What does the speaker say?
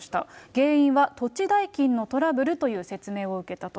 原因は土地代金のトラブルという説明を受けたと。